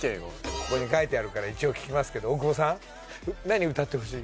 ここに書いてあるから一応聞きますけど大久保さん何歌ってほしい？